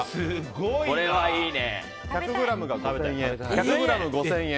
１００ｇ、５０００円。